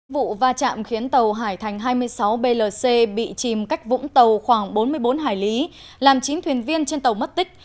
vụ va chạm khiến tàu hải thành hai mươi sáu blc bị chìm cách vũng tàu khoảng bốn mươi bốn hải lý làm chín thuyền viên trên tàu mất tích